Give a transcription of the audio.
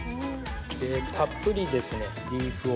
たっぷりですねリーフを。